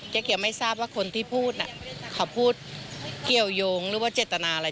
เกี่ยวไม่ทราบว่าคนที่พูดเขาพูดเกี่ยวยงหรือว่าเจตนาอะไร